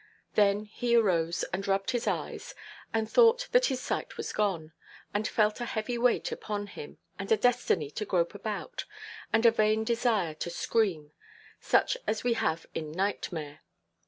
Then he arose, and rubbed his eyes, and thought that his sight was gone, and felt a heavy weight upon him, and a destiny to grope about, and a vain desire to scream, such as we have in nightmare.